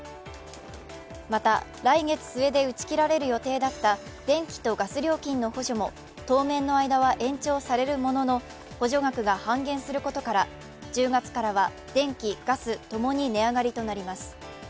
また、来月末で打ち切られる予定だった電気とガス料金の補助も当面の間は延長されるものの、補助額が半減されることなどから、１０月からは電気・ガス共に値上がりとなります。